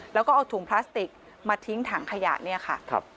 แล้วก็เอาถุงพลาสติกมาทิ้งถังขยะเนี่ยค่ะ